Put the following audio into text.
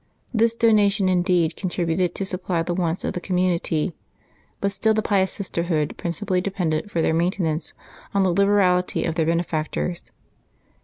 This do nation indeed contributed to supply the wants of the com munity, but still the pious sisterhood principally depended for their maintenance on the liberality of their benefactors.